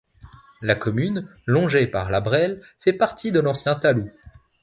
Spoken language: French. La commune, longée par la Bresle, fait partie de l'ancien Talou.